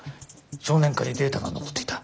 少年課にデータが残っていた。